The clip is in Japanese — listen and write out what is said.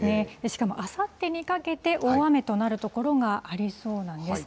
しかもあさってにかけて、大雨となる所がありそうなんです。